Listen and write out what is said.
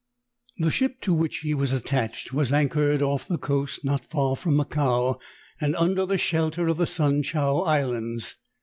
The ship to which he was attached was anchored off the coast, not far from Macao and under the shelter of the Sun Chow Islands.